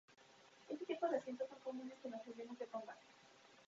Este tipo de asientos son comunes en los aviones de combate.